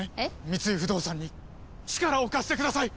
三井不動産に力を貸してください！